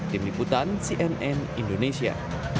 tim liputan cnn indonesia